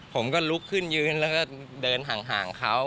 ผมก็ลุกขึ้นยืนแล้วก็เดินห่างเขา